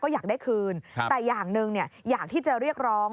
อยากได้คืนแต่อย่างหนึ่งอยากที่จะเรียกร้อง